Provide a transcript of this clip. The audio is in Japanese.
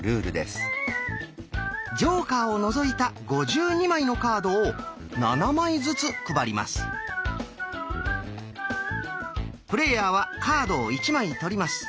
ジョーカーを除いた５２枚のカードをプレーヤーはカードを１枚取ります。